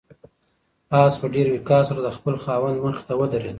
آس په ډېر وقار سره د خپل خاوند مخې ته ودرېد.